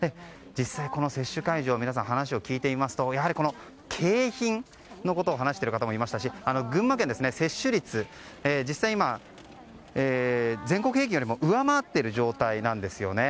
実際、この接種会場で皆さんに話を聞いてみますとやはり景品のことを話している方もいましたし群馬県は接種率が実際、全国平均よりも上回っている状態なんですよね。